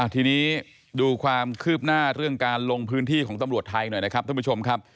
ทีนี้ดูความคืบหน้าเรื่องการลงพื้นที่ของตำรวจไทยหน่อยนะครับท่านผู้ชมครับ